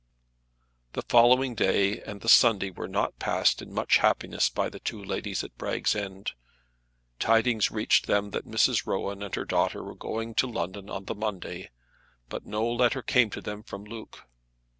The following day and the Sunday were not passed in much happiness by the two ladies at Bragg's End. Tidings reached them that Mrs. Rowan and her daughter were going to London on the Monday, but no letter came to them from Luke.